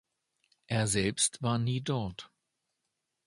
Er selbst war nie dort.